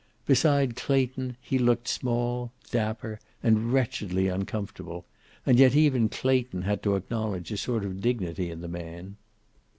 Beside Clayton he looked small, dapper, and wretchedly uncomfortable, and yet even Clayton had to acknowledge a sort of dignity in the man.